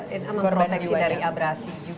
dan berbeza dari abrasi juga